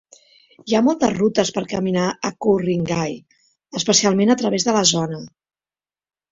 Hi ha moltes rutes per caminar a Ku-Ring-gai, especialment a través de la zona.